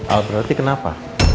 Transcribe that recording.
al berarti kenapa